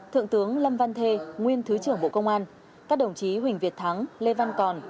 thượng tướng lâm văn thê nguyên thứ trưởng bộ công an các đồng chí huỳnh việt thắng lê văn còn